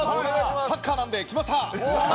サッカーなので来ました！